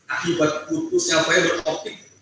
akibat putusnya file optik